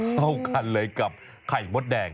เข้ากันเลยกับไข่มดแดง